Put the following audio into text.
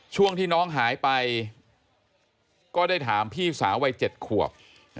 ช่วงที่น้องหายไปก็ได้ถามพี่สาววัย๗ขวบ